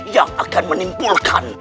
yang akan menimpulkan